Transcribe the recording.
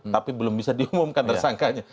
tapi belum bisa diumumkan tersangkanya